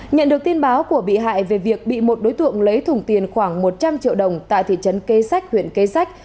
nhận được tin báo của bị hại về việc bị một đối tượng lấy thùng tiền khoảng một trăm linh triệu đồng tại thị trấn kế sách huyện kế sách